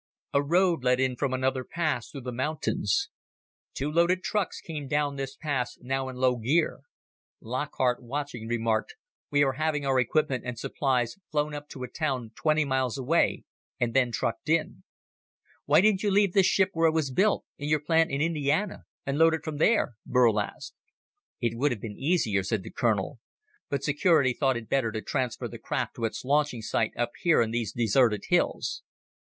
A road led in from another pass through the mountains. Two loaded trucks came down this pass now in low gear. Lockhart, watching, remarked, "We are having our equipment and supplies flown up to a town twenty miles away and then trucked in." "Why didn't you leave this ship where it was built in your plant in Indiana and load it from there?" Burl asked. "It would have been easier," said the colonel, "but security thought it better to transfer the craft to its launching sight up here in these deserted hills.